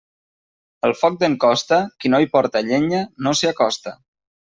Al foc d'en Costa, qui no hi porta llenya, no s'hi acosta.